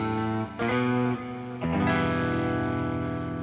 ibu kan architectse nadantenya fake